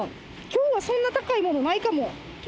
今日はそんな高いものないかも。